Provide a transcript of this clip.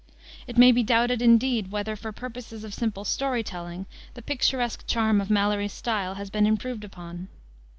It may be doubted, indeed, whether, for purposes of simple story telling, the picturesque charm of Malory's style has been improved upon.